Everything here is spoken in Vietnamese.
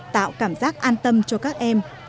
tạo cảm giác an tâm cho các em